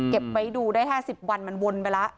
เก็บไว้ดูได้๕๐วันมันวนไปแล้ว